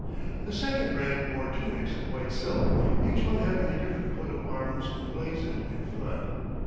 The second rank wore tunics of white silk, each one having a different coat of arms emblazoned in front.